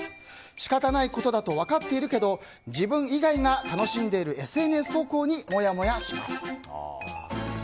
仕方ないことだと分かっているけど自分以外が楽しんでいるＳＮＳ投稿にモヤモヤします。